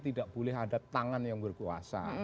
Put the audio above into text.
tidak boleh ada tangan yang berkuasa